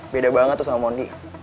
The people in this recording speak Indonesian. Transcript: beda banget tuh sama mondi